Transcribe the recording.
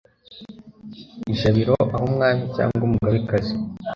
ijabiro aho umwami cyangwa umugabekazi